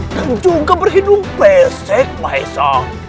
dan juga berhidung pesek maesha